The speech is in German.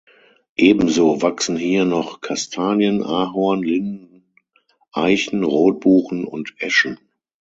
Ebenso wachsen hier noch Kastanien, Ahorn, Linden, Eichen, Rotbuchen und Eschen.